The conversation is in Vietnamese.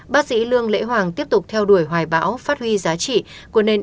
bác sĩ lương lễ hoàng tiếp tục theo đuổi hoài bão phát huy giá trị của nền